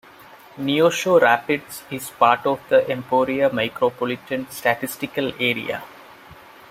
Neosho Rapids is part of the Emporia Micropolitan Statistical Area.